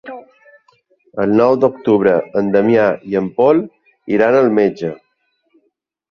El nou d'octubre en Damià i en Pol iran al metge.